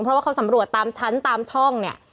เพราะว่าเขาสำรวจตามชั้นตามช่องเนี่ย